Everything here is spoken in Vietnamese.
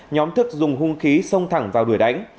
nhóm thức dùng hung khí xông thẳng vào đuổi đánh